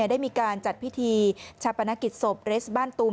ได้มีการจัดพิธีชาปนกิจศพเรสบ้านตูม